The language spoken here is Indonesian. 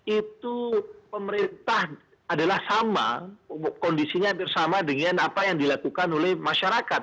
itu pemerintah adalah sama kondisinya hampir sama dengan apa yang dilakukan oleh masyarakat